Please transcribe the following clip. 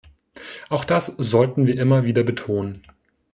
Auch das sollten wir immer wieder betonen.